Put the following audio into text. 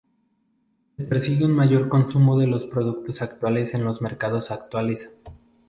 Se persigue un mayor consumo de los productos actuales en los mercados actuales.